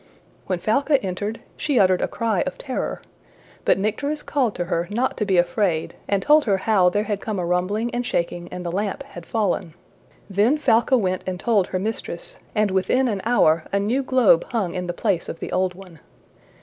When Falca entered, she uttered a cry of terror. But Nycteris called to her not to be afraid, and told her how there had come a rumbling and shaking, and the lamp had fallen. Then Falca went and told her mistress, and within an hour a new globe hung in the place of the old one.